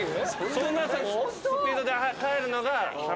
そんなスピードで帰るのが。